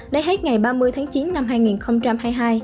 đã hết ngày ba mươi tháng chín năm hai nghìn hai mươi hai